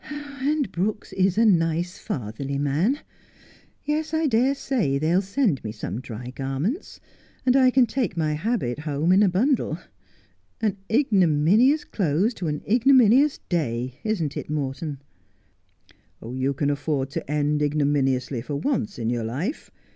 And Brooks is a nice fatherly man. Yes, I dare say they'll send me some dry garments, and I can take my habit home in a bundle. An ignominious close to an ignominious day, isn't it, Morton ?'' You can afford to end ignominiously for once in your life.